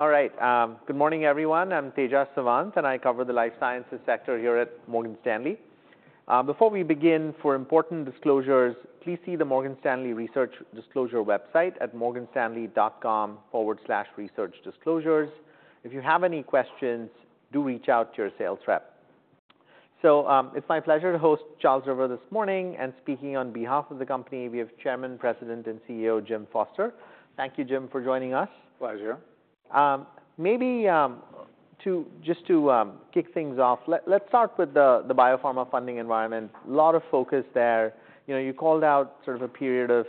All right, good morning, everyone. I'm Tejas Savant, and I cover the life sciences sector here at Morgan Stanley. Before we begin, for important disclosures, please see the Morgan Stanley Research Disclosure website at morganstanley.com/researchdisclosures. If you have any questions, do reach out to your sales rep. It's my pleasure to host Charles River this morning, and speaking on behalf of the company, we have Chairman, President, and CEO, James Foster. Thank you, James, for joining us. Pleasure. Maybe just to kick things off, let's start with the biopharma funding environment. A lot of focus there. You know, you called out sort of a period of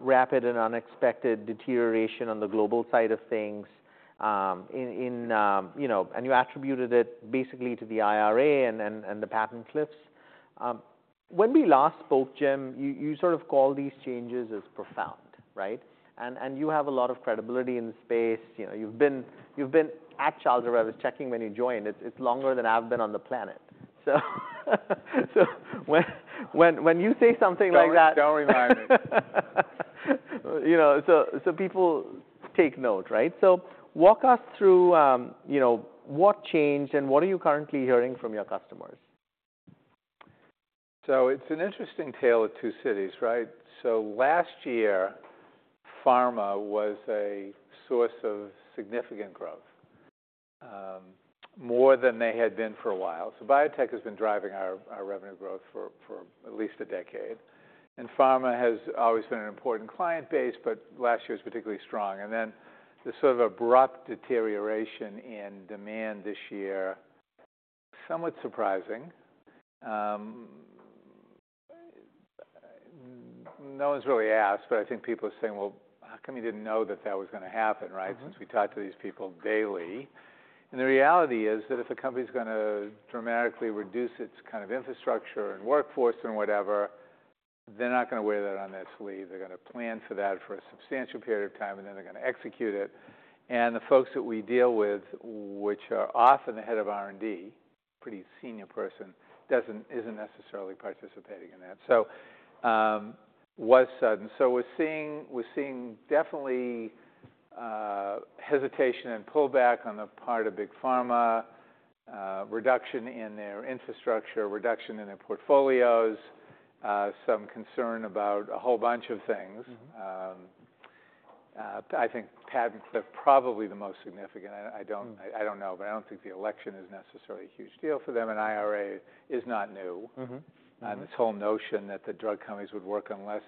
rapid and unexpected deterioration on the global side of things, you know, and you attributed it basically to the IRA and the patent cliffs. When we last spoke, James, you sort of called these changes as profound, right? And you have a lot of credibility in the space. You know, you've been at Charles River. I was checking when you joined; it's longer than I've been on the planet. So when you say something like that- Don't, don't remind me. You know, so, so people take note, right? So walk us through, you know, what changed, and what are you currently hearing from your customers? It's an interesting tale of two cities, right? Last year, pharma was a source of significant growth, more than they had been for a while. Biotech has been driving our revenue growth for at least a decade, and pharma has always been an important client base, but last year was particularly strong. Then the sort of abrupt deterioration in demand this year, somewhat surprising. No one's really asked, but I think people are saying, "Well, how come you didn't know that that was gonna happen," right? Mm-hmm. Since we talk to these people daily. And the reality is that if a company's gonna dramatically reduce its kind of infrastructure and workforce and whatever, they're not gonna wear that on their sleeve. They're gonna plan for that for a substantial period of time, and then they're gonna execute it. And the folks that we deal with, which are often the head of R&D, pretty senior person, isn't necessarily participating in that. So was sudden. So we're seeing definitely hesitation and pullback on the part of big pharma, reduction in their infrastructure, reduction in their portfolios, some concern about a whole bunch of things. Mm-hmm. I think patents are probably the most significant. I don't- Mm. I don't know, but I don't think the election is necessarily a huge deal for them, and IRA is not new. Mm-hmm. Mm-hmm. This whole notion that the drug companies would work on less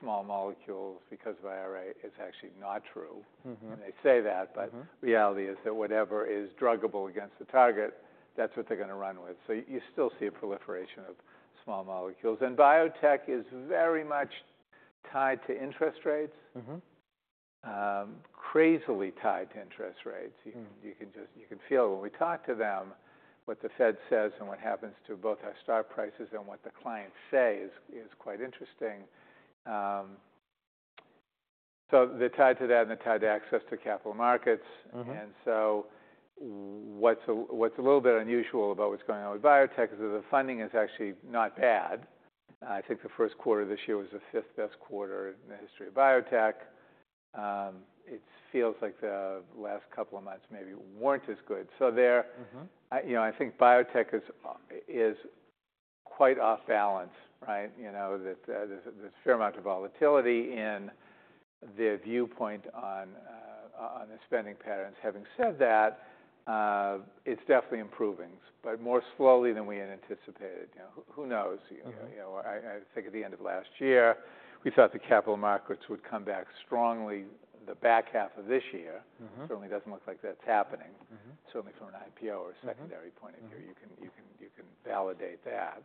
small molecules because of IRA is actually not true. Mm-hmm. They say that- Mm-hmm... but the reality is that whatever is druggable against the target, that's what they're gonna run with. So you still see a proliferation of small molecules. And biotech is very much tied to interest rates. Mm-hmm. Crazily tied to interest rates. Mm. You can feel it when we talk to them, what the Fed says and what happens to both our stock prices and what the clients say is quite interesting. So they're tied to that, and they're tied to access to capital markets. Mm-hmm. And so what's a little bit unusual about what's going on with biotech is that the funding is actually not bad. I think the first quarter this year was the fifth best quarter in the history of biotech. It feels like the last couple of months maybe weren't as good. So there- Mm-hmm... you know, I think biotech is quite off balance, right? You know, that there's a fair amount of volatility in their viewpoint on the spending patterns. Having said that, it's definitely improving, but more slowly than we had anticipated. You know, who knows? Mm-hmm. You know, I think at the end of last year, we thought the capital markets would come back strongly the back half of this year. Mm-hmm. Certainly doesn't look like that's happening. Mm-hmm. Certainly from an IPO or secondary- Mm-hmm... point of view, you can validate that.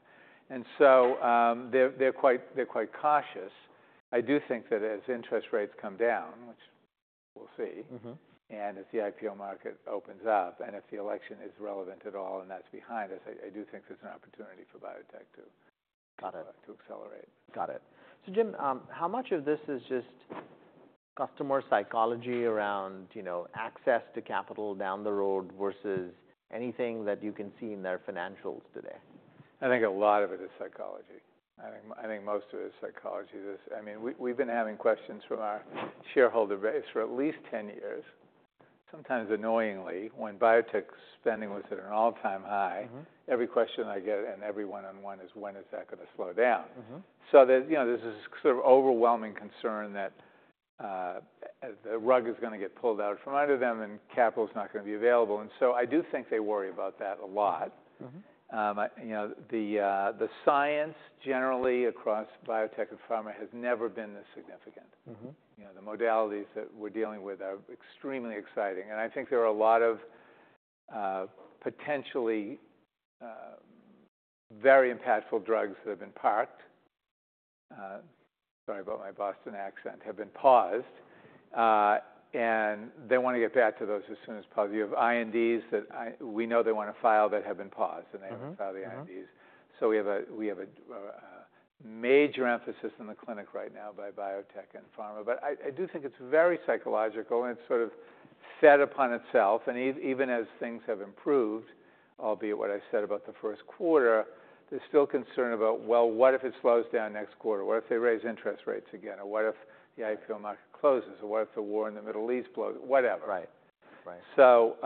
And so, they're quite cautious. I do think that as interest rates come down, which we'll see- Mm-hmm... and if the IPO market opens up, and if the election is relevant at all, and that's behind us, I, I do think there's an opportunity for biotech to- Got it... to accelerate. Got it. So, James, how much of this is just customer psychology around, you know, access to capital down the road versus anything that you can see in their financials today? I think a lot of it is psychology. I think, I think most of it is psychology. This, I mean, we, we've been having questions from our shareholder base for at least ten years, sometimes annoyingly, when biotech spending was at an all-time high. Mm-hmm. Every question I get, and every one-on-one, is, "When is that gonna slow down? Mm-hmm. So there's, you know, there's this sort of overwhelming concern that the rug is gonna get pulled out from under them, and capital is not gonna be available, and so I do think they worry about that a lot. Mm-hmm. You know, the science generally across biotech and pharma has never been this significant. Mm-hmm. You know, the modalities that we're dealing with are extremely exciting, and I think there are a lot of, potentially, very impactful drugs that have been parked... Sorry about my Boston accent, have been paused, and they want to get back to those as soon as possible. You have INDs that we know they want to file, that have been paused, and they- Mm-hmm... haven't filed the INDs. Mm-hmm. So we have a major emphasis in the clinic right now by biotech and pharma. But I do think it's very psychological, and it's sort of fed upon itself. Even as things have improved, albeit what I said about the first quarter, there's still concern about, well, what if it slows down next quarter? What if they raise interest rates again? Or what if the IPO market closes? Or what if the war in the Middle East blows up. Whatever. Right. Right. They're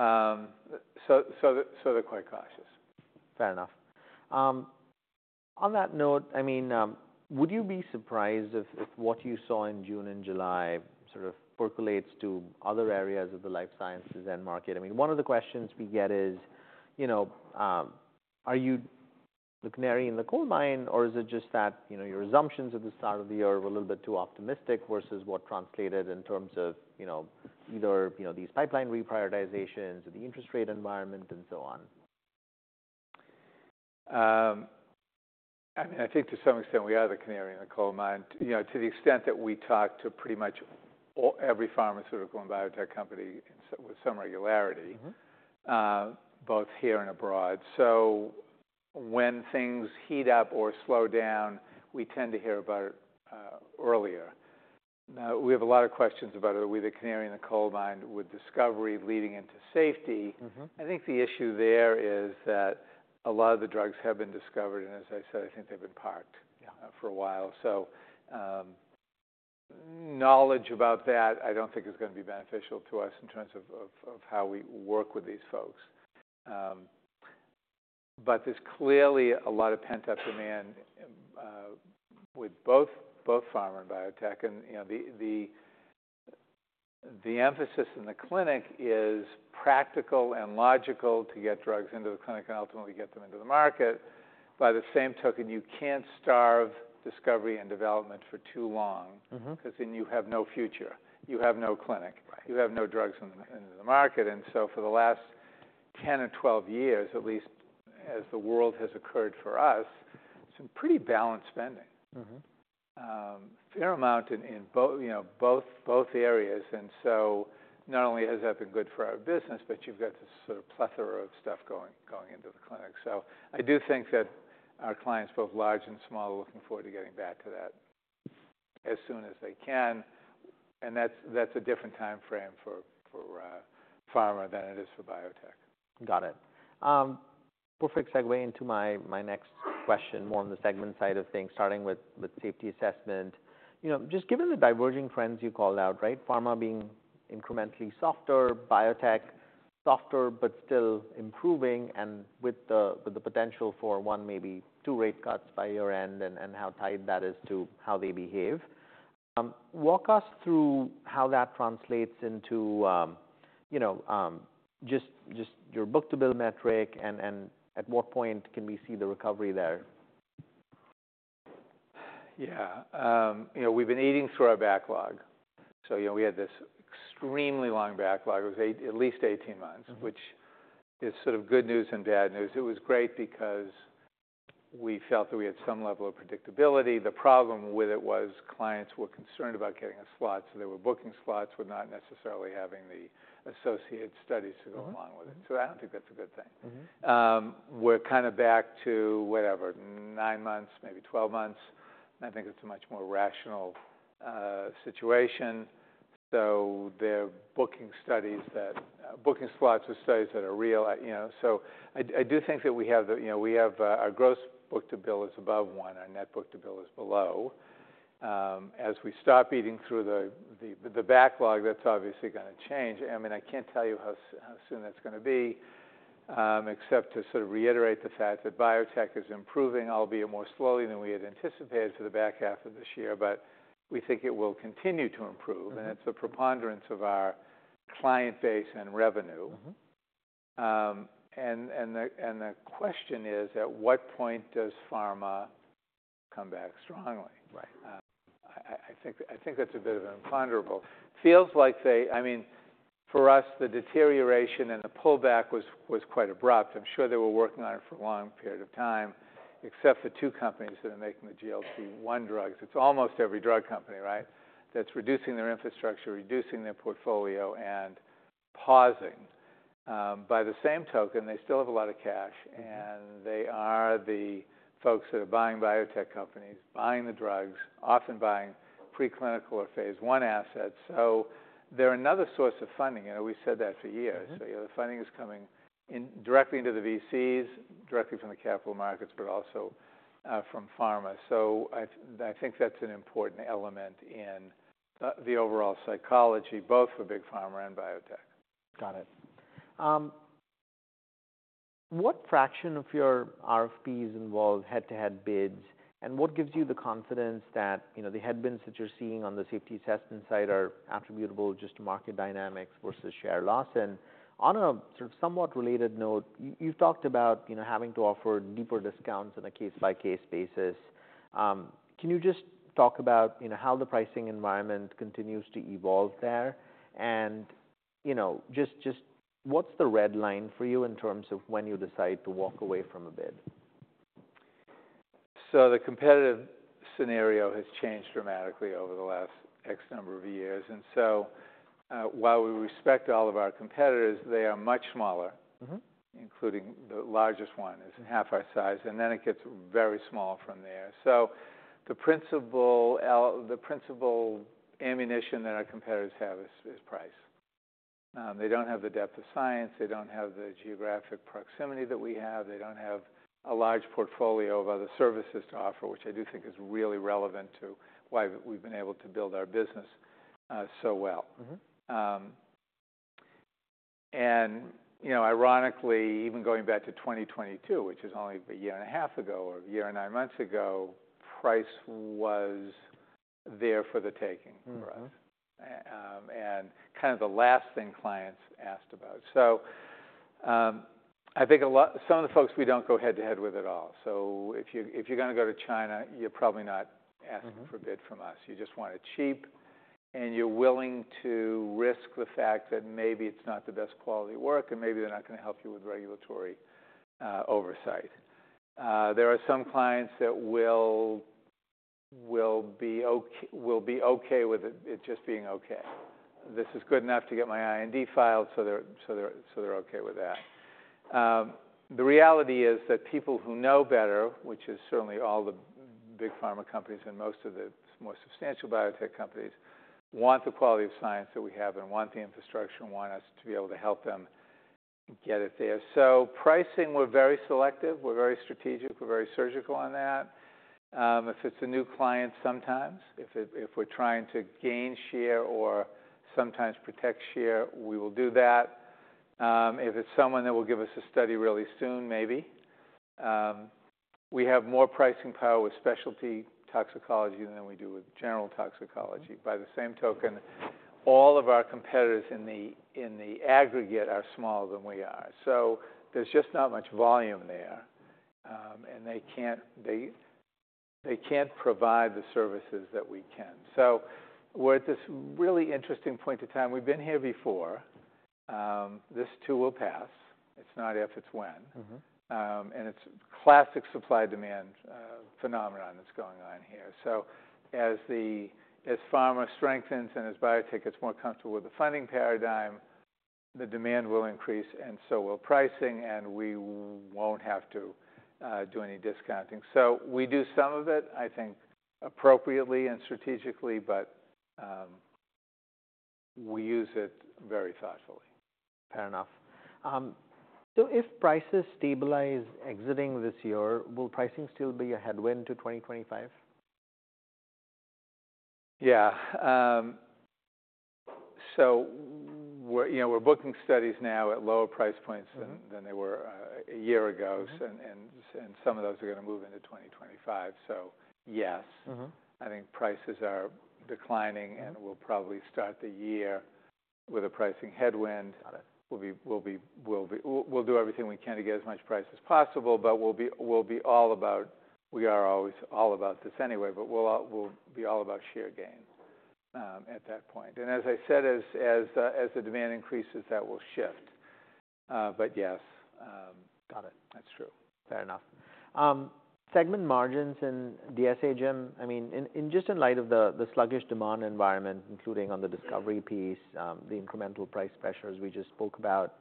quite cautious. Fair enough. On that note, I mean, would you be surprised if what you saw in June and July sort of percolates to other areas of the life sciences end market? I mean, one of the questions we get is, you know, are you the canary in the coal mine, or is it just that, you know, your assumptions at the start of the year were a little bit too optimistic versus what translated in terms of, you know, either these pipeline reprioritizations or the interest rate environment, and so on? I mean, I think to some extent we are the canary in the coal mine. You know, to the extent that we talk to pretty much all, every pharmaceutical and biotech company, so with some regularity- Mm-hmm... both here and abroad. So when things heat up or slow down, we tend to hear about it, earlier. Now, we have a lot of questions about are we the canary in the coal mine, with discovery leading into safety. Mm-hmm. I think the issue there is that a lot of the drugs have been discovered, and as I said, I think they've been parked- Yeah -for a while. So, knowledge about that, I don't think is gonna be beneficial to us in terms of how we work with these folks. But there's clearly a lot of pent-up demand with both pharma and biotech. And, you know, the emphasis in the clinic is practical and logical to get drugs into the clinic and ultimately get them into the market. By the same token, you can't starve discovery and development for too long- Mm-hmm because then you have no future, you have no clinic- Right... you have no drugs in the market. And so for the last 10 or 12 years, at least as the world has occurred for us, some pretty balanced spending. Mm-hmm. Fair amount in both, you know, areas, and so not only has that been good for our business, but you've got this sort of plethora of stuff going into the clinic, so I do think that our clients, both large and small, are looking forward to getting back to that as soon as they can, and that's a different time frame for pharma than it is for biotech. Got it. Perfect segue into my next question, more on the segment side of things, starting with Safety Assessment. You know, just given the diverging trends you called out, right? Pharma being incrementally softer, biotech softer, but still improving, and with the potential for one, maybe two rate cuts by year-end, and how tied that is to how they behave. Walk us through how that translates into, you know, just your book-to-bill metric, and at what point can we see the recovery there? Yeah. You know, we've been eating through our backlog. So, you know, we had this extremely long backlog. It was eight- at least 18 months- Mm-hmm... which is sort of good news and bad news. It was great because we felt that we had some level of predictability. The problem with it was, clients were concerned about getting a slot, so they were booking slots, but not necessarily having the associated studies to go along with it. Mm-hmm. So I don't think that's a good thing. Mm-hmm. We're kind of back to, whatever, nine months, maybe 12 months. I think it's a much more rational situation. So they're booking slots with studies that are real, you know. So I do think that, you know, we have our gross book-to-bill is above one, our net book-to-bill is below. As we stop eating through the backlog, that's obviously gonna change. I mean, I can't tell you how soon that's gonna be, except to sort of reiterate the fact that biotech is improving, albeit more slowly than we had anticipated for the back half of this year, but we think it will continue to improve. Mm-hmm. It's a preponderance of our client base and revenue. Mm-hmm. And the question is, at what point does pharma come back strongly? Right. I think that's a bit of an imponderable. Feels like they... I mean, for us, the deterioration and the pullback was quite abrupt. I'm sure they were working on it for a long period of time, except for two companies that are making the GLP-1 drugs. It's almost every drug company, right, that's reducing their infrastructure, reducing their portfolio, and pausing. By the same token, they still have a lot of cash- Mm-hmm... and they are the folks that are buying biotech companies, buying the drugs, often buying preclinical or Phase I assets. So they're another source of funding, you know, we've said that for years. Mm-hmm. So the funding is coming in directly into the VCs, directly from the capital markets, but also from pharma. So I think that's an important element in the overall psychology, both for big pharma and biotech. Got it. What fraction of your RFPs involve head-to-head bids? And what gives you the confidence that, you know, the head-to-heads that you're seeing on the safety testing side are attributable just to market dynamics versus share loss? And on a sort of somewhat related note, you've talked about, you know, having to offer deeper discounts on a case-by-case basis. Can you just talk about, you know, how the pricing environment continues to evolve there? And, you know, just what's the red line for you in terms of when you decide to walk away from a bid? So the competitive scenario has changed dramatically over the last X number of years. And so, while we respect all of our competitors, they are much smaller. Mm-hmm. Including the largest one, is half our size, and then it gets very small from there. The principal ammunition that our competitors have is price. They don't have the depth of science, they don't have the geographic proximity that we have. They don't have a large portfolio of other services to offer, which I do think is really relevant to why we've been able to build our business so well. Mm-hmm. You know, ironically, even going back to 2022, which is only a year and a half ago, or a year and nine months ago, price was there for the taking- Mm-hmm and kind of the last thing clients asked about. So, I think a lot, some of the folks, we don't go head-to-head with at all. So if you're gonna go to China, you're probably not asking- Mm-hmm For a bid from us. You just want it cheap, and you're willing to risk the fact that maybe it's not the best quality work, and maybe they're not gonna help you with regulatory oversight. There are some clients that will be okay with it, it just being okay. This is good enough to get my IND filed, so they're okay with that. The reality is that people who know better, which is certainly all the big pharma companies and most of the more substantial biotech companies, want the quality of science that we have and want the infrastructure, and want us to be able to help them get it there. So pricing, we're very selective, we're very strategic, we're very surgical on that. If it's a new client, sometimes. If we're trying to gain share or sometimes protect share, we will do that. If it's someone that will give us a study really soon, maybe. We have more pricing power with specialty toxicology than we do with general toxicology. By the same token, all of our competitors in the aggregate are smaller than we are, so there's just not much volume there, and they can't provide the services that we can. So we're at this really interesting point in time. We've been here before. This too will pass. It's not if, it's when. Mm-hmm. And it's classic supply-demand phenomenon that's going on here. So as pharma strengthens and as biotech gets more comfortable with the funding paradigm, the demand will increase, and so will pricing, and we won't have to do any discounting. So we do some of it, I think, appropriately and strategically, but we use it very thoughtfully. Fair enough. So if prices stabilize exiting this year, will pricing still be a headwind to 2025? Yeah. So we're, you know, we're booking studies now at lower price points- Mm-hmm... than they were a year ago. Mm-hmm. Some of those are gonna move into 2025. So, yes. Mm-hmm. I think prices are declining- Mm-hmm and we'll probably start the year with a pricing headwind. Got it. We'll do everything we can to get as much price as possible, but we'll be all about... We are always all about this anyway, but we'll be all about share gains at that point. And as I said, as the demand increases, that will shift. But yes. Got it. That's true. Fair enough. Segment margins in DSA, James, I mean, in just in light of the sluggish demand environment, including on the discovery piece, the incremental price pressures we just spoke about,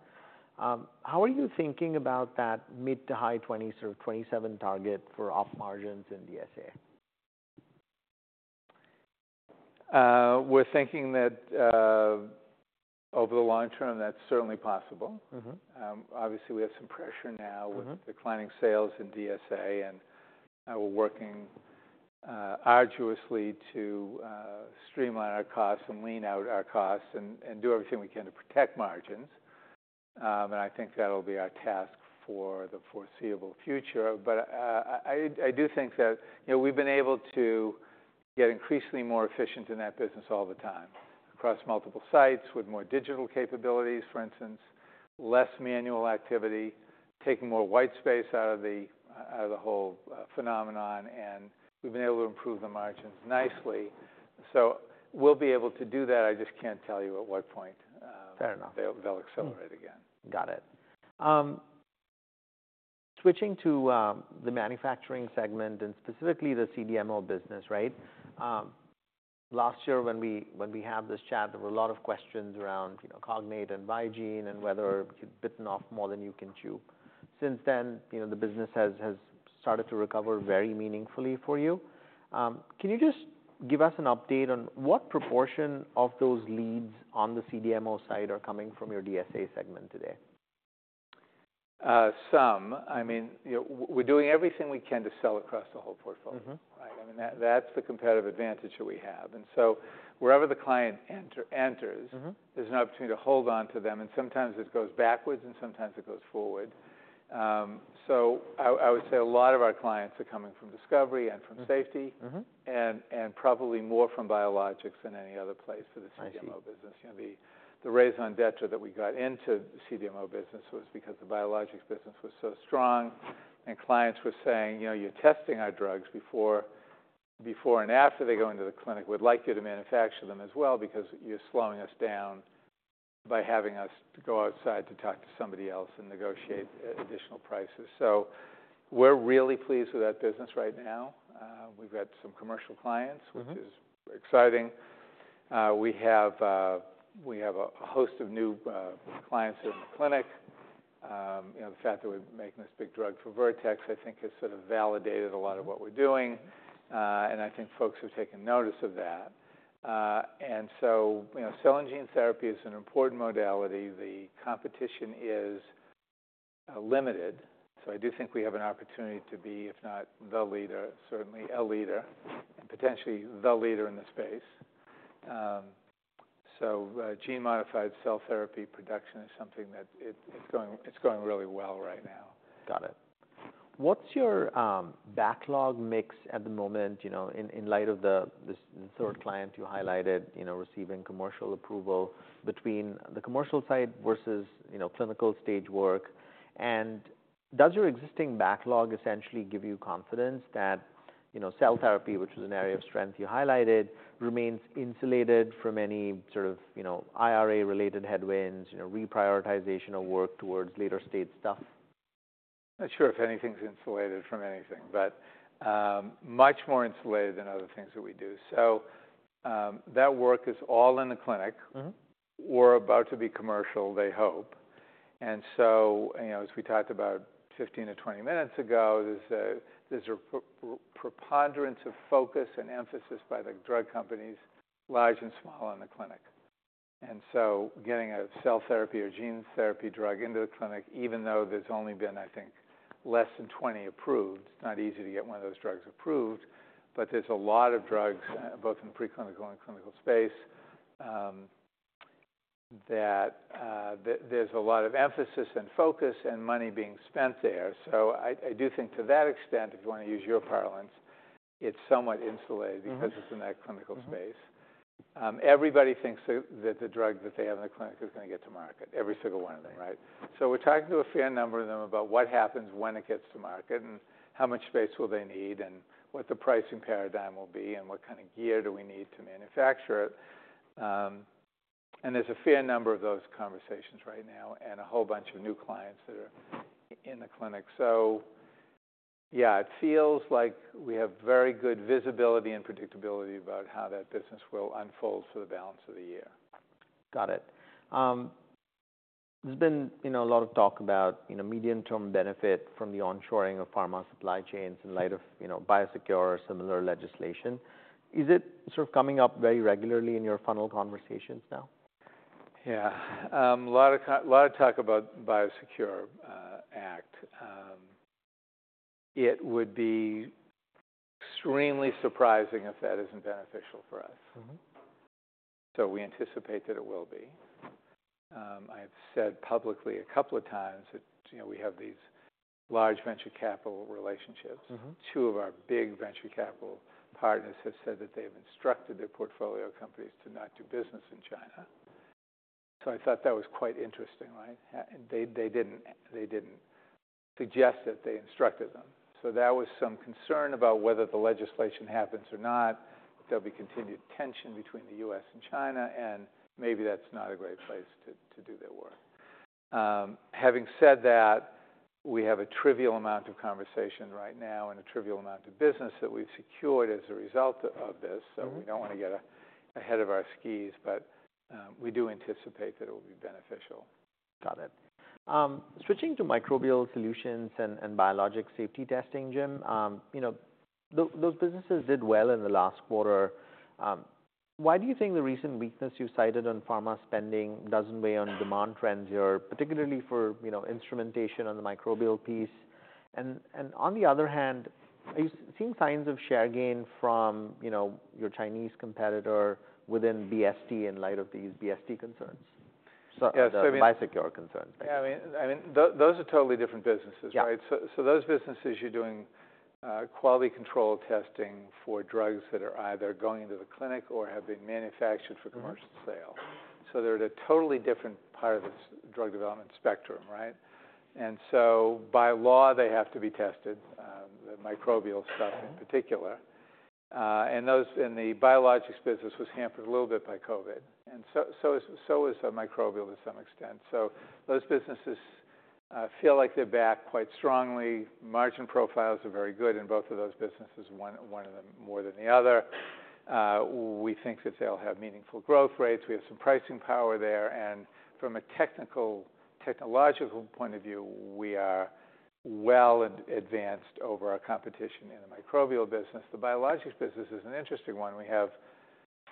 how are you thinking about that mid- to high-20s or 27 target for op margins in DSA? We're thinking that, over the long term, that's certainly possible. Mm-hmm. Obviously, we have some pressure now- Mm-hmm with declining sales in DSA, and we're working arduously to streamline our costs, and lean out our costs, and do everything we can to protect margins. And I think that'll be our task for the foreseeable future, but I do think that, you know, we've been able to get increasingly more efficient in that business all the time, across multiple sites, with more digital capabilities, for instance, less manual activity, taking more white space out of the whole phenomenon, and we've been able to improve the margins nicely, so we'll be able to do that. I just can't tell you at what point. Fair enough... they'll accelerate again. Got it. Switching to the manufacturing segment and specifically the CDMO business, right? Last year, when we had this chat, there were a lot of questions around, you know, Cognate and Vigene, and whether you'd bitten off more than you can chew. Since then, you know, the business has started to recover very meaningfully for you. Can you just give us an update on what proportion of those leads on the CDMO side are coming from your DSA segment today? I mean, you know, we're doing everything we can to sell across the whole portfolio- Mm-hmm... right? I mean, that's the competitive advantage that we have. And so wherever the client enters- Mm-hmm There's an opportunity to hold on to them, and sometimes it goes backwards, and sometimes it goes forward. So I would say a lot of our clients are coming from discovery and from safety. Mm-hmm. Probably more from biologics than any other place for the CDMO business. I see. You know, the raison d'être that we got into the CDMO business was because the biologics business was so strong, and clients were saying, "You know, you're testing our drugs before and after they go into the clinic. We'd like you to manufacture them as well, because you're slowing us down by having us go outside to talk to somebody else and negotiate additional prices." So we're really pleased with that business right now. We've got some commercial clients- Mm-hmm -which is exciting. We have a host of new clients in the clinic, you know, the fact that we're making this big drug for Vertex, I think has sort of validated a lot of what we're doing, and I think folks have taken notice of that, and so, you know, cell and gene therapy is an important modality. The competition is limited, so I do think we have an opportunity to be, if not the leader, certainly a leader, and potentially the leader in this space, so gene-modified cell therapy production is something that it's going really well right now. Got it. What's your backlog mix at the moment, you know, in light of this third client you highlighted, you know, receiving commercial approval between the commercial side versus, you know, clinical stage work? And does your existing backlog essentially give you confidence that, you know, cell therapy, which is an area of strength you highlighted, remains insulated from any sort of, you know, IRA-related headwinds, you know, reprioritization of work towards later-stage stuff? Not sure if anything's insulated from anything, but, much more insulated than other things that we do. So, that work is all in the clinic. Mm-hmm. We're about to be commercial, they hope. And so, you know, as we talked about 15-20 minutes ago, there's a preponderance of focus and emphasis by the drug companies, large and small, in the clinic. And so getting a cell therapy or gene therapy drug into the clinic, even though there's only been, I think, less than 20 approved, it's not easy to get one of those drugs approved, but there's a lot of drugs both in the preclinical and clinical space that there's a lot of emphasis and focus and money being spent there. So I do think to that extent, if you want to use your parlance, it's somewhat insulated- Mm-hmm... because it's in that clinical space. Mm-hmm. Everybody thinks that the drug that they have in the clinic is gonna get to market, every single one of them, right? Right. We're talking to a fair number of them about what happens when it gets to market, and how much space will they need, and what the pricing paradigm will be, and what kind of gear do we need to manufacture it. And there's a fair number of those conversations right now, and a whole bunch of new clients that are in the clinic. So yeah, it feels like we have very good visibility and predictability about how that business will unfold for the balance of the year. Got it. There's been, you know, a lot of talk about, you know, medium-term benefit from the onshoring of pharma supply chains in light of, you know, BioSecure or similar legislation. Is it sort of coming up very regularly in your funnel conversations now? Yeah. A lot of talk about BioSecure Act. It would be extremely surprising if that isn't beneficial for us. Mm-hmm. So we anticipate that it will be. I've said publicly a couple of times that, you know, we have these large venture capital relationships. Mm-hmm. Two of our big venture capital partners have said that they've instructed their portfolio companies to not do business in China. So I thought that was quite interesting, right? They didn't suggest that they instructed them. So that was some concern about whether the legislation happens or not, there'll be continued tension between the U.S. and China, and maybe that's not a great place to do their work. Having said that, we have a trivial amount of conversation right now and a trivial amount of business that we've secured as a result of this. Mm-hmm. So we don't want to get ahead of our skis, but we do anticipate that it will be beneficial. Got it. Switching to Microbial Solutions and Biologic Safety Testing, James. You know, those businesses did well in the last quarter. Why do you think the recent weakness you cited on pharma spending doesn't weigh on demand trends here, particularly for, you know, instrumentation on the microbial piece? And on the other hand, are you seeing signs of share gain from, you know, your Chinese competitor within BST in light of these BST concerns? Yeah, so- BioSecure concerns. Yeah, I mean, those are totally different businesses, right? Yeah. So those businesses, you're doing quality control testing for drugs that are either going into the clinic or have been manufactured for commercial sale. Mm-hmm. So they're at a totally different part of the drug development spectrum, right? And so by law, they have to be tested, the microbial stuff in particular. And those in the biologics business was hampered a little bit by COVID, and so is microbial to some extent. So those businesses feel like they're back quite strongly. Margin profiles are very good in both of those businesses, one of them more than the other. We think that they'll have meaningful growth rates. We have some pricing power there, and from a technical, technological point of view, we are well advanced over our competition in the microbial business. The biologics business is an interesting one. We have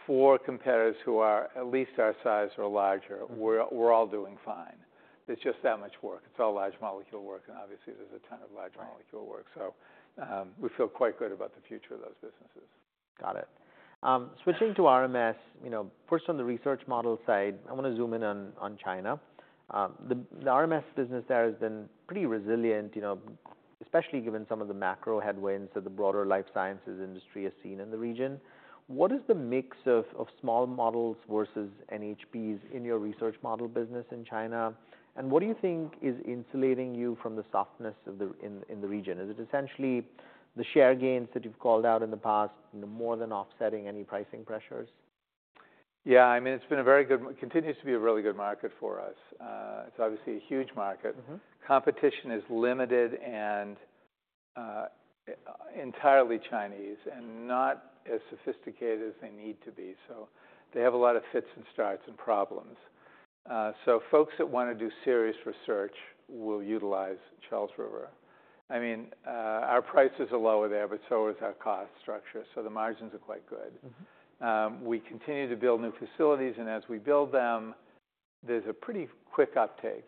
four competitors who are at least our size or larger. Mm-hmm. We're all doing fine. There's just that much work. It's all large molecule work, and obviously there's a ton of large- Right... molecule work. So, we feel quite good about the future of those businesses. Got it. Switching to RMS, you know, first on the Research Model side, I wanna zoom in on China. The RMS business there has been pretty resilient, you know, especially given some of the macro headwinds that the broader life sciences industry has seen in the region. What is the mix of small models versus NHPs in your Research Model business in China? And what do you think is insulating you from the softness in the region? Is it essentially the share gains that you've called out in the past, more than offsetting any pricing pressures? Yeah, I mean, it's been a very good, continues to be a really good market for us. It's obviously a huge market. Mm-hmm. Competition is limited and entirely Chinese and not as sophisticated as they need to be, so they have a lot of fits and starts and problems. So folks that wanna do serious research will utilize Charles River. I mean, our prices are lower there, but so is our cost structure, so the margins are quite good. Mm-hmm. We continue to build new facilities, and as we build them, there's a pretty quick uptake,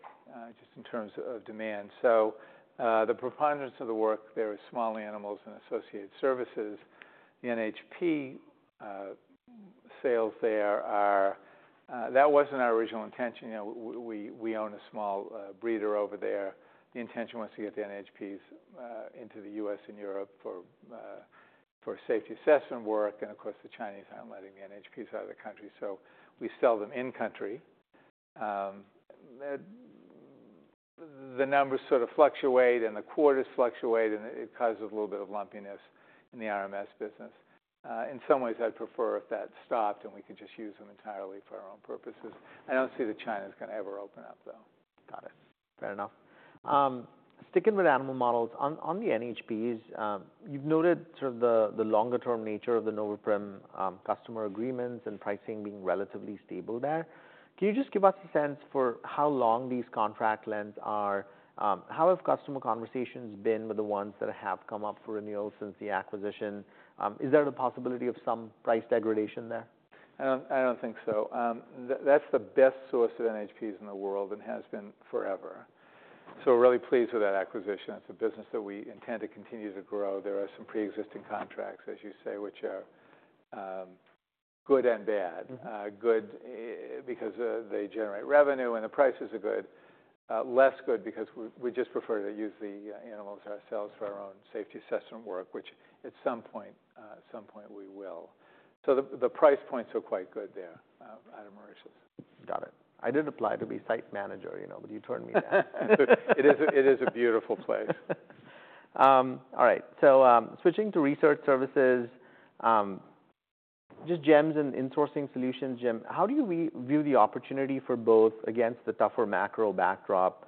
just in terms of demand. So, the preponderance of the work there is small animals and associated services. The NHP sales there are... That wasn't our original intention. You know, we own a small breeder over there. The intention was to get the NHPs into the U.S. and Europe for Safety Assessment work, and of course, the Chinese aren't letting the NHPs out of the country, so we sell them in-country. The numbers sort of fluctuate, and the quarters fluctuate, and it causes a little bit of lumpiness in the RMS business. In some ways I'd prefer if that stopped, and we could just use them entirely for our own purposes. I don't see that China's gonna ever open up, though. Got it. Fair enough. Sticking with animal models, on the NHPs, you've noted sort of the longer term nature of the Noveprim customer agreements and pricing being relatively stable there. Can you just give us a sense for how long these contract lengths are? How have customer conversations been with the ones that have come up for renewal since the acquisition? Is there a possibility of some price degradation there? I don't, I don't think so. That's the best source of NHPs in the world and has been forever, so we're really pleased with that acquisition. It's a business that we intend to continue to grow. There are some preexisting contracts, as you say, which are good and bad. Mm-hmm. Good, because they generate revenue and the prices are good. Less good because we just prefer to use the animals ourselves for our own Safety Assessment work, which at some point we will. So the price points are quite good there, out in Mauritius. Got it. I did apply to be site manager, you know, but you turned me down. It is a beautiful place. All right, so, switching to Research Services, just GEMS and Insourcing Solutions, James, how do you view the opportunity for both against the tougher macro backdrop,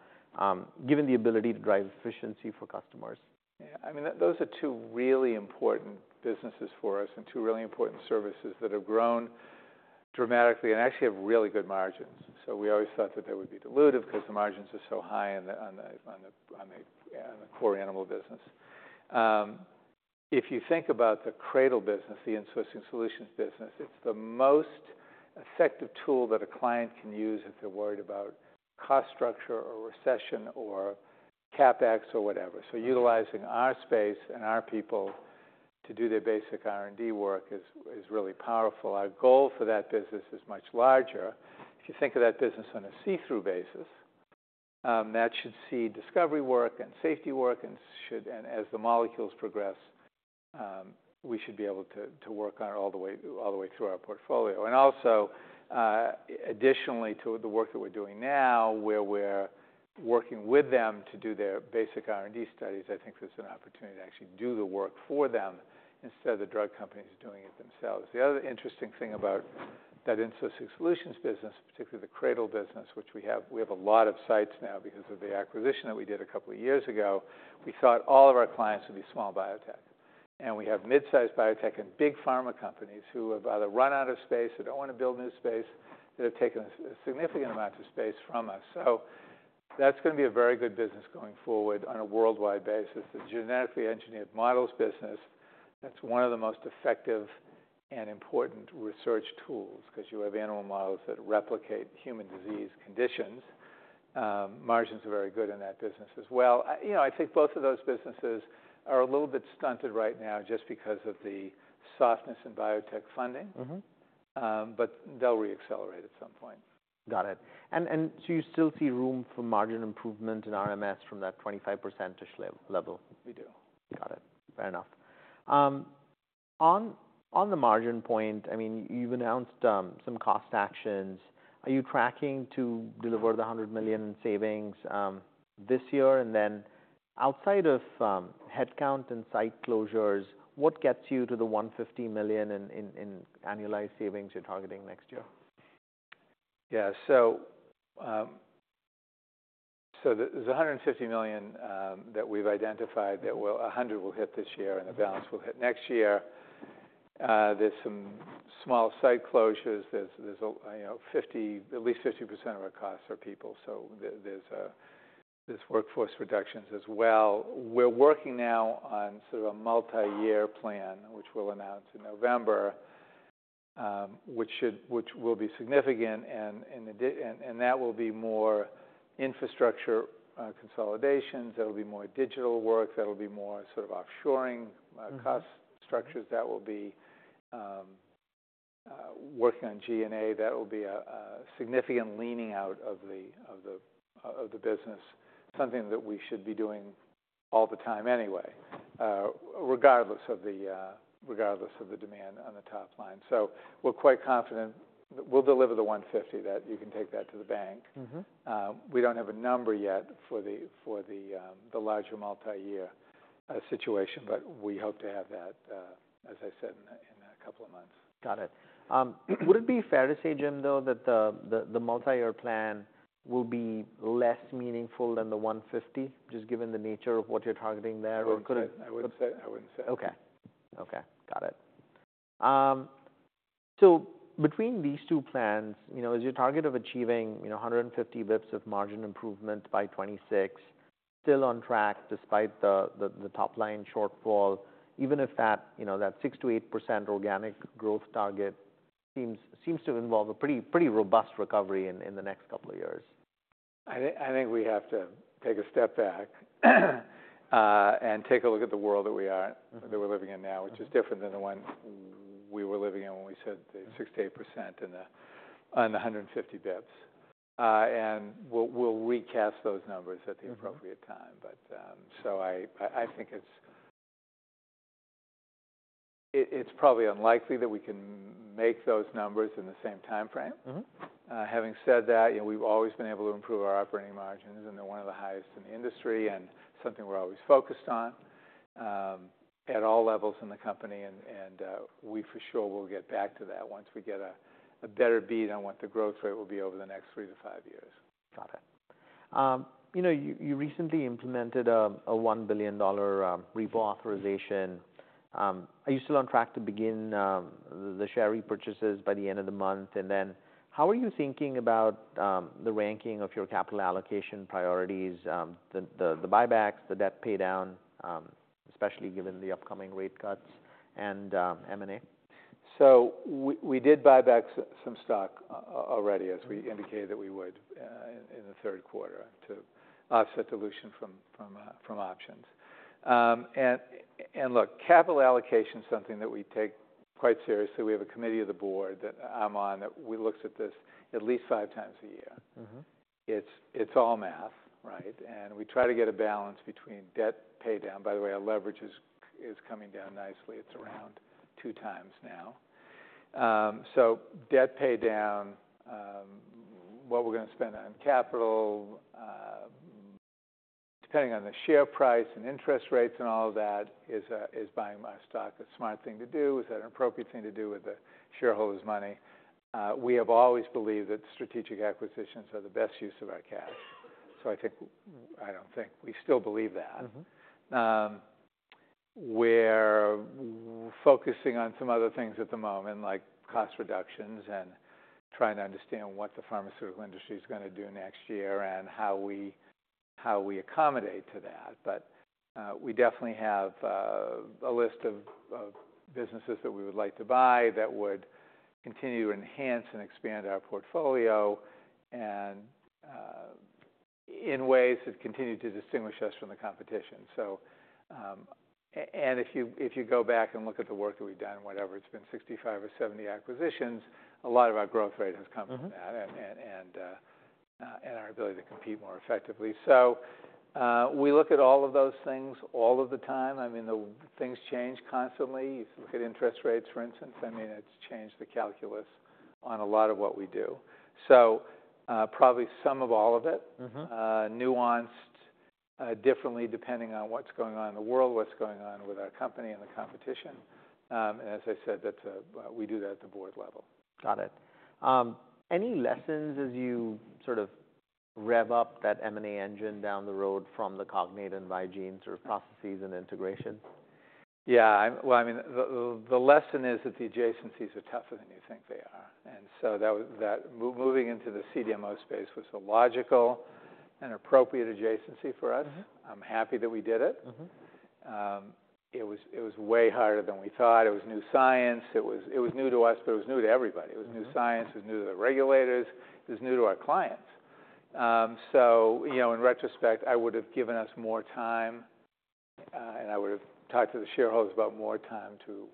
given the ability to drive efficiency for customers? Yeah, I mean, those are two really important businesses for us and two really important services that have grown dramatically and actually have really good margins. So we always thought that they would be dilutive because the margins are so high on the, yeah, on the core animal business. If you think about the CRADL business, the Insourcing Solutions business, it's the most effective tool that a client can use if they're worried about cost structure, or recession, or CapEx, or whatever. So utilizing our space and our people to do their basic R&D work is really powerful. Our goal for that business is much larger. If you think of that business on a see-through basis, that should see discovery work and safety work, and as the molecules progress, we should be able to to work on it all the way, all the way through our portfolio. And also, additionally to the work that we're doing now, where we're working with them to do their basic R&D studies, I think there's an opportunity to actually do the work for them instead of the drug companies doing it themselves. The other interesting thing about that Insourcing Solutions business, particularly the CRADL business, which we have. We have a lot of sites now because of the acquisition that we did a couple of years ago. We thought all of our clients would be small biotech, and we have mid-sized biotech and big pharma companies who have either run out of space or don't want to build new space. They have taken significant amounts of space from us, so that's gonna be a very good business going forward on a worldwide basis. The Genetically Engineered Models business, that's one of the most effective and important research tools, 'cause you have animal models that replicate human disease conditions. Margins are very good in that business as well. I, you know, I think both of those businesses are a little bit stunted right now, just because of the softness in biotech funding. Mm-hmm. But they'll re-accelerate at some point. Got it. And, do you still see room for margin improvement in RMS from that 25%-ish level? We do. Got it. Fair enough. On the margin point, I mean, you've announced some cost actions. Are you tracking to deliver the $100 million in savings this year? And then outside of headcount and site closures, what gets you to the $150 million in annualized savings you're targeting next year? Yeah. So there's $150 million that we've identified, that will $100 we'll hit this year, and the balance will hit next year. There's some small site closures. There's you know 50, at least 50% of our costs are people, so there's workforce reductions as well. We're working now on sort of a multiyear plan, which we'll announce in November, which will be significant, and that will be more infrastructure consolidations, that'll be more digital work, that'll be more sort of offshoring. Mm-hmm... cost structures. That will be working on G&A. That will be a significant leaning out of the business, something that we should be doing all the time anyway, regardless of the demand on the top line. So we're quite confident we'll deliver the 150, that you can take that to the bank. Mm-hmm. We don't have a number yet for the larger multi-year situation, but we hope to have that, as I said, in.... a couple of months. Got it. Would it be fair to say, James, though, that the multi-year plan will be less meaningful than the 150, just given the nature of what you're targeting there? Or could it- I wouldn't say. Okay. Okay, got it. So between these two plans, you know, is your target of achieving, you know, a hundred and fifty basis points of margin improvement by 2026 still on track despite the top line shortfall? Even if that, you know, that 6%-8% organic growth target seems to involve a pretty robust recovery in the next couple of years. I think we have to take a step back and take a look at the world that we are- Mm-hmm... that we're living in now, which is different than the one we were living in when we said the 6-8% and the 150 basis points. And we'll recast those numbers at the- Mm-hmm... appropriate time, but so I think it's probably unlikely that we can make those numbers in the same timeframe. Mm-hmm. Having said that, you know, we've always been able to improve our operating margins, and they're one of the highest in the industry, and something we're always focused on at all levels in the company. We for sure will get back to that once we get a better bead on what the growth rate will be over the next three to five years. Got it. You know, you recently implemented a $1 billion repo authorization. Are you still on track to begin the share repurchases by the end of the month? And then, how are you thinking about the ranking of your capital allocation priorities, the buybacks, the debt paydown, especially given the upcoming rate cuts and M&A? We did buy back some stock already, as we indicated that we would, in the third quarter, to offset dilution from options. Look, capital allocation is something that we take quite seriously. We have a committee of the board that I'm on, that we looks at this at least five x a year. Mm-hmm. It's all math, right? And we try to get a balance between debt paydown. By the way, our leverage is coming down nicely. It's around two times now. So debt paydown, what we're gonna spend on capital, depending on the share price and interest rates and all of that, is buying back stock a smart thing to do? Is that an appropriate thing to do with the shareholders' money? We have always believed that strategic acquisitions are the best use of our cash. So I think we still believe that. Mm-hmm. We're focusing on some other things at the moment, like cost reductions, and trying to understand what the pharmaceutical industry is gonna do next year, and how we accommodate to that. But we definitely have a list of businesses that we would like to buy that would continue to enhance and expand our portfolio, and in ways that continue to distinguish us from the competition. So if you go back and look at the work that we've done, whatever, it's been 65 or 70 acquisitions, a lot of our growth rate has come from that- Mm-hmm... and our ability to compete more effectively. So, we look at all of those things all of the time. I mean, the things change constantly. You look at interest rates, for instance. I mean, it's changed the calculus on a lot of what we do. So, probably some of all of it- Mm-hmm... nuanced differently depending on what's going on in the world, what's going on with our company and the competition, and as I said, that we do that at the board level. Got it. Any lessons as you sort of rev up that M&A engine down the road from the Cognate and Vigene sort of processes and integration? Yeah. Well, I mean, the lesson is that the adjacencies are tougher than you think they are, and so that moving into the CDMO space was a logical and appropriate adjacency for us. Mm-hmm. I'm happy that we did it. Mm-hmm. It was way harder than we thought. It was new science. It was new to us, but it was new to everybody. Mm-hmm. It was new to science, it was new to the regulators, it was new to our clients. So, you know, in retrospect, I would've given us more time, and I would've talked to the shareholders about more time to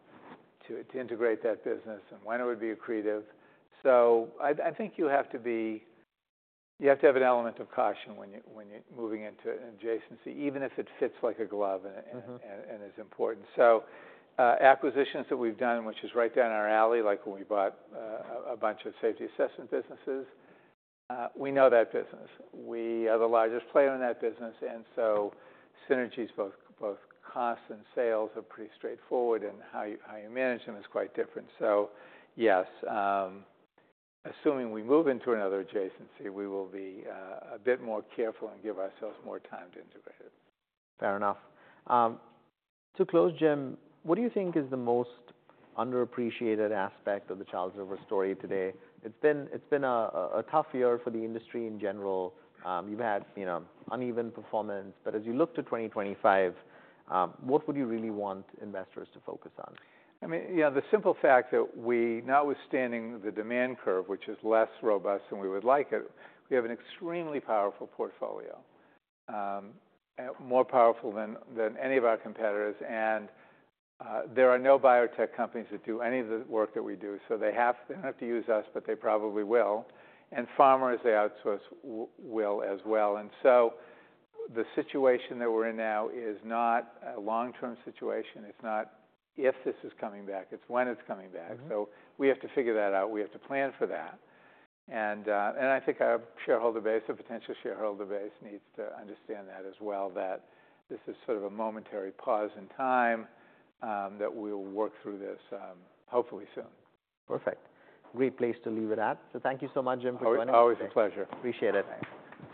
integrate that business, and when it would be accretive. So I think you have to have an element of caution when you're moving into an adjacency, even if it fits like a glove. Mm-hmm... and is important. So, acquisitions that we've done, which is right down our alley, like when we bought a bunch of Safety Assessment businesses, we know that business. We are the largest player in that business, and so synergies, both cost and sales, are pretty straightforward, and how you manage them is quite different. So yes, assuming we move into another adjacency, we will be a bit more careful and give ourselves more time to integrate it. Fair enough. To close, James, what do you think is the most underappreciated aspect of the Charles River story today? It's been a tough year for the industry in general. You've had, you know, uneven performance, but as you look to 2025, what would you really want investors to focus on? I mean, yeah, the simple fact that we, notwithstanding the demand curve, which is less robust than we would like it, we have an extremely powerful portfolio. More powerful than any of our competitors, and there are no biotech companies that do any of the work that we do, so they don't have to use us, but they probably will. And pharmas, they outsource, well, as well. And so the situation that we're in now is not a long-term situation. It's not if this is coming back, it's when it's coming back. Mm-hmm. So we have to figure that out, we have to plan for that. And I think our shareholder base, the potential shareholder base, needs to understand that as well, that this is sort of a momentary pause in time, that we'll work through this, hopefully soon. Perfect. Great place to leave it at, so thank you so much, James, for joining us. Always, always a pleasure. Appreciate it.